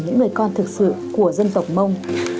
những người con thực sự của dân tộc mông